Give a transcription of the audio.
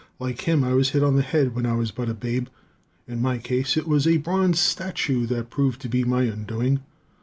Like him, I was hit on the head when I was but a babe. In my case, it was a bronze statue that proved to be my undoing.